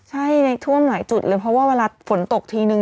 ใช่ในท่วมหลายจุดเลยเพราะว่าเวลาฝนตกทีนึง